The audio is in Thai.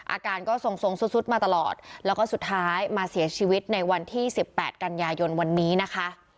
อาการก็ทรงทรงสุดมาตลอดแล้วก็สุดท้ายมาเสียชีวิตในวันที่๑๘กันยายนวันนี้นะคะ